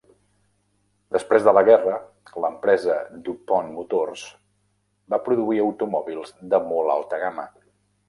Després de la guerra, l'empresa Du Pont Motors va produir automòbils de molt alta gama.